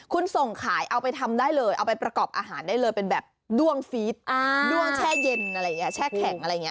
คุณส่งขายเอาไปทำได้เลยเอาไปประกอบอาหารได้เลยเป็นแบบด้วงฟีดด้วงแช่เย็นอะไรอย่างนี้แช่แข็งอะไรอย่างนี้